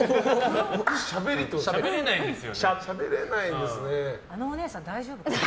しゃべれないんですよ。